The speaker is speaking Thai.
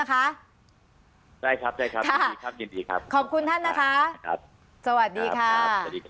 หมดความความคุมของเวลา